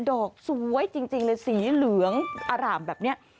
ดอกสวยจริงเลยสีเหลืองอร่ามแบบนี้